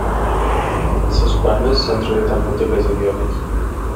Els seus poemes s'han traduït a múltiples idiomes.